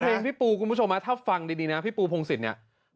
พี่ปูคุณผู้ชมถ้าฟังดีนะพี่ปูพงศิษย์เนี่ย